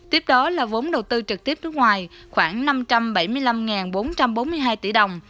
tiếp đó là vốn đầu tư trực tiếp nước ngoài khoảng năm trăm bảy mươi năm bốn trăm bốn mươi hai tỷ đồng